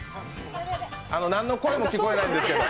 なんの声も聞こえないんですけど。